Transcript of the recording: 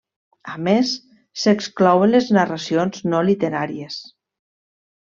A més, s'exclouen les narracions no literàries.